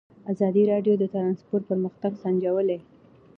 ازادي راډیو د ترانسپورټ پرمختګ سنجولی.